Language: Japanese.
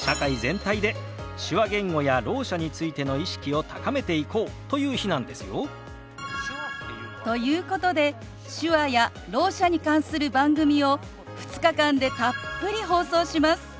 社会全体で手話言語やろう者についての意識を高めていこうという日なんですよ。ということで手話やろう者に関する番組を２日間でたっぷり放送します。